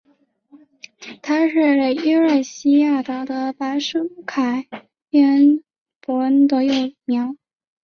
它是伊瑞西亚岛的白树凯勒博恩的幼苗。